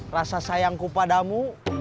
rasa sayangku padamu